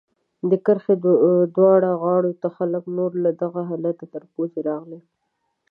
د کرښې دواړو غاړو ته خلک نور له دغه حالته تر پوزې راغله.